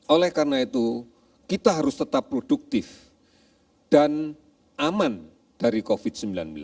oleh karena itu kita harus tetap produktif dan aman dari covid sembilan belas